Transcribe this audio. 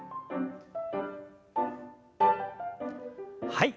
はい。